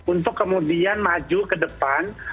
untuk kemudian maju ke depan